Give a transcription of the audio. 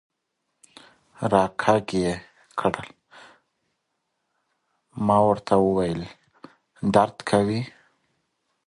را کږ یې کړل، ما ورته وویل: درد کوي.